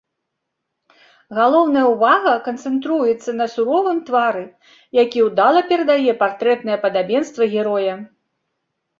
Галоўная ўвага канцэнтруецца на суровым твары, які ўдала перадае партрэтнае падабенства героя.